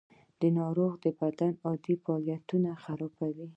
ناروغي د بدن عادي فعالیت خرابوي.